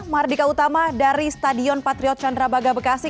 mardika utama dari stadion patriot candrabaga bekasi